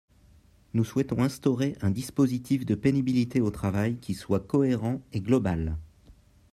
Nous souhaitons instaurer un dispositif de pénibilité au travail qui soit cohérent et global.